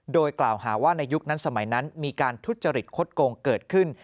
โดยกล่าวหาว่าในยุคนั้นสมัยนั้นมีการทุจริตคดโกงเกิดขึ้น